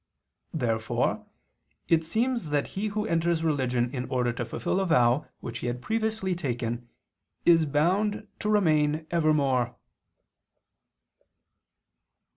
Therefore it seems that he who enters religion in order to fulfil a vow which he had previously taken, is bound to remain evermore.